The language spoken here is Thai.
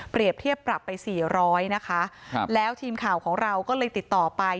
เปรียบเทียบปรับไป๔๐๐นะคะแล้วทีมข่าวของเราก็เลยติดต่อไป